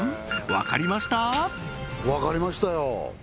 わかりましたよ！